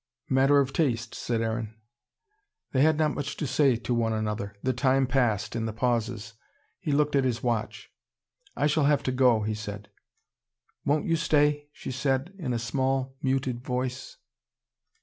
"Matter of taste," said Aaron. They had not much to say to one another. The time passed, in the pauses. He looked at his watch. "I shall have to go," he said. "Won't you stay?" she said, in a small, muted voice.